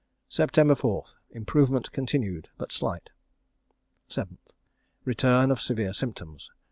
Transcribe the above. SEPTEMBER 4th. Improvement continued, but slight. 7th. Return of severe symptoms.